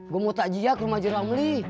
gue mau takjiah ke rumah jeram li